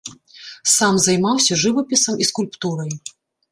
Сам займаўся жывапісам і скульптурай.